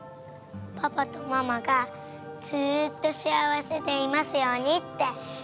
パパとママがずっと幸せでいますようにって。